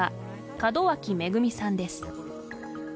門脇恵さんです。